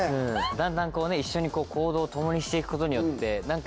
だんだん一緒に行動を共にしていくことによって。